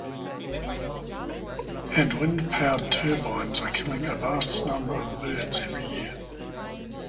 And wind-powered turbines are killing a vast number of birds every year.